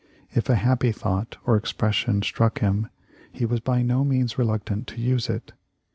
If a happy thought or expression struck him he was by no means reluctant to use it.